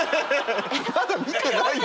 まだ見てないですよね？